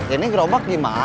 ini gerobak dimana